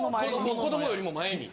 子供よりも前に。